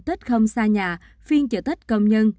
tết không xa nhà phiên chợ tết công nhân